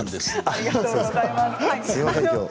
ありがとうございます。